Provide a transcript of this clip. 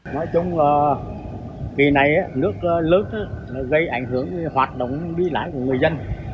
nói chung là kỳ này nước lớn gây ảnh hưởng hoạt động đi lại của người dân